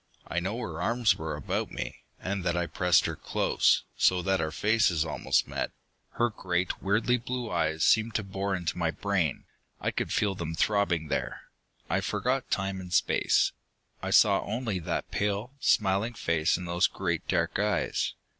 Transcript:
I know her arms were about me, and that I pressed her close, so that our faces almost met. Her great, weirdly blue eyes seemed to bore into my brain. I could feel them throbbing there.... I forgot time and space. I saw only that pale, smiling face and those great dark eyes.